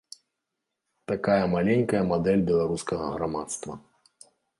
Такая маленькая мадэль беларускага грамадства.